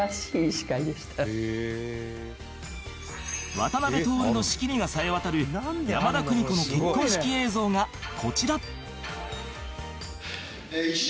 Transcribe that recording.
渡辺徹の仕切りがさえ渡る山田邦子の結婚式映像がこちら